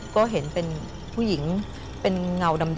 ก็เห็นเป็นผู้หญิงเป็นเงาดำ